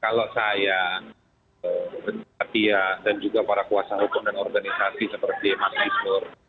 kalau saya setia dan juga para kuasa hukum dan organisasi seperti mas isnur